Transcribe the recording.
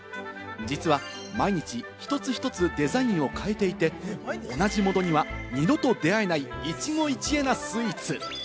実は毎日一つ一つデザインを変えていて、同じものには二度と出会えない一期一会なスイーツ。